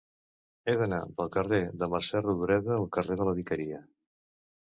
He d'anar del carrer de Mercè Rodoreda al carrer de la Vicaria.